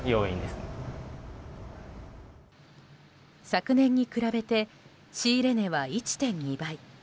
昨年に比べて仕入れ値は１．２倍。